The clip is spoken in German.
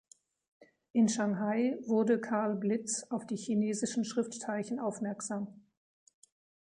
In Shanghai wurde Karl Blitz auf die chinesischen Schriftzeichen aufmerksam.